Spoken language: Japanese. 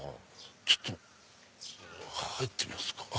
ちょっと入ってみますか。